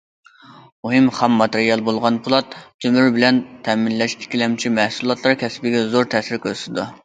مۇھىم خام ماتېرىيال بولغان پولات- تۆمۈر بىلەن تەمىنلەش ئىككىلەمچى مەھسۇلاتلار كەسپىگە زور تەسىر كۆرسىتىدۇ.